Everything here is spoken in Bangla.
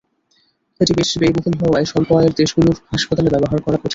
এটি বেশ ব্যয়বহুল হওয়ায় স্বল্প আয়ের দেশগুলোর হাসপাতালে ব্যবহার করা কঠিন।